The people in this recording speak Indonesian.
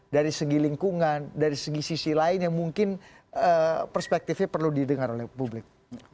dari segi lingkungan dari segi sisi lain yang mungkin perspektifnya perlu didengar oleh publik